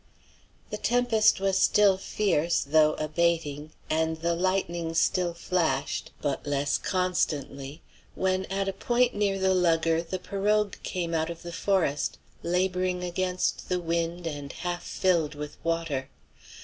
The tempest was still fierce, though abating, and the lightning still flashed, but less constantly, when at a point near the lugger the pirogue came out of the forest, laboring against the wind and half filled with water.